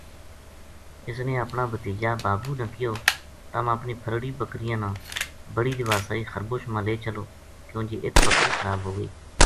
اس نے اپنا بھتیجا بابو نا کہیو تم اپنی پھرڑی بکریاں نا بڑی دیواسئی خربوش ما لے چلو کیوں جے اِت بکری خراب ہو گئی